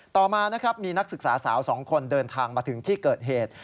ต่อมานะครับมีนักศึกษาสาว๒คนเดินทางมาถึงที่เกิดเหตุ